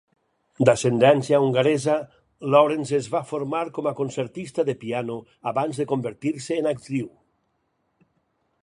D'ascendència hongaresa, Lawrence es va formar com a concertista de piano abans de convertir-se en actriu.